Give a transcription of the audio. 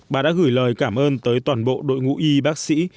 bà đã gửi lời cảm ơn tới toàn bộ đội ngũ y bác sĩ